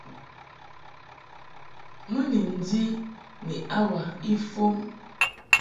Mɨ ni ndi ni hour ifɔm.